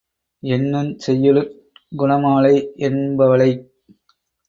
என்னுஞ் செய்யுளிற் Gunamalai யென்பவளைக்